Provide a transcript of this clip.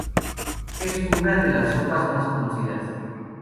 Es una de las sopas más conocidas.